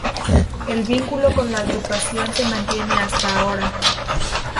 El vínculo con la Agrupación se mantiene hasta ahora.